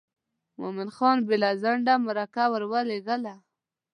مومن خان بې له ځنډه مرکه ور ولېږله.